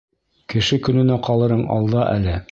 Кеше көнөнә ҡалырың алда әле!..